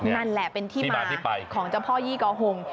นั่นแหละเป็นที่มาที่ไปของเจ้าพ่อยี่กอหง